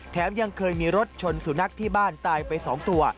ยังเคยมีรถชนสุนัขที่บ้านตายไป๒ตัว